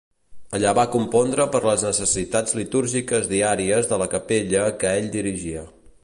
Allà va compondre per les necessitats litúrgiques diàries de la capella que ell dirigia.